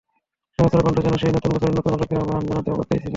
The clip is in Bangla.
সহস্র কণ্ঠ যেন সেই নতুন বছরের নতুন আলোকে আবাহন জানাতে অপেক্ষায় ছিল।